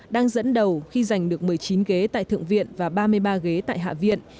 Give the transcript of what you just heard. đang dẫn đầu khi giành được một mươi chín ghế tại thượng viện và ba mươi ba ghế tại hạ viện